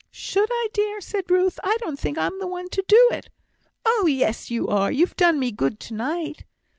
"Should I, dear?" said Ruth. "I don't think I'm the one to do it." "Oh, yes! you are you've done me good to night."